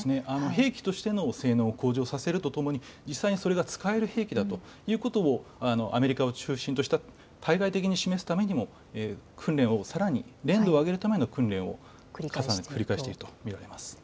兵器としての性能を向上させるとともに実際にそれが使える兵器だということをアメリカを中心とした対外的に示すためにも訓練をさらに練度を上げるための訓練を重ねて繰り返していると見られます。